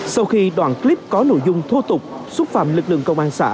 sau khi đoạn clip có nội dung thô tục xúc phạm lực lượng công an xã